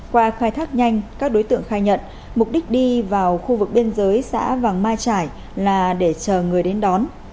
qua khai thác nhanh các đối tượng khai nhận mục đích đi vào khu vực biên giới xã vàng mai trải là để chờ người đến đón